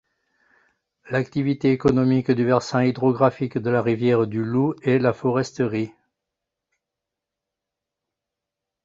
L’activité économique du versant hydrographique de la rivière du Loup est la foresterie.